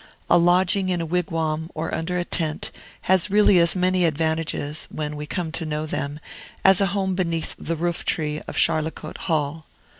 A lodging in a wigwam or under a tent has really as many advantages, when we come to know them, as a home beneath the roof tree of Charlecote Hall.